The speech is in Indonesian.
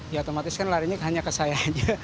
ya otomatis kan larinya hanya ke saya aja